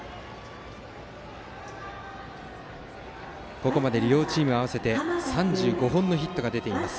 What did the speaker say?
ここまで両チーム合わせて３５本のヒットが出ています。